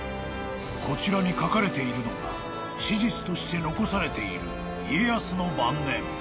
［こちらに書かれているのが史実として残されている家康の晩年］